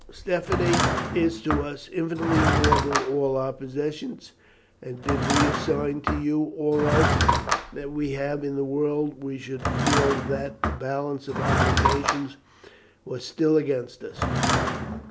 Stephanie is to us infinitely more than all our possessions, and did we assign to you all else that we have in the world we should feel that the balance of obligation was still against us.